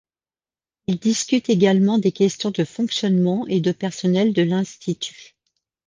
Il discute également des questions de fonctionnement et de personnel de l'Institut.